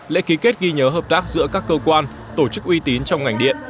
lễ ký kết ghi nhớ hợp tác giữa các cơ quan tổ chức uy tín trong ngành điện